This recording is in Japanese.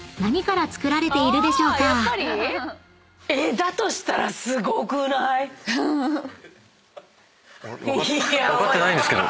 だとしたらすごくない⁉うん！分かってないんですけど。